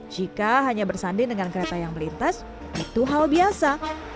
jika hanya bersanding dengan kereta yang melintas itu hal biasa